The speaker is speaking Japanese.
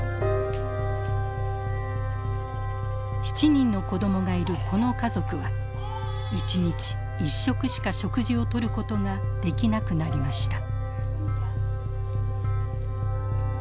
７人の子どもがいるこの家族は一日１食しか食事をとることができなくなりました。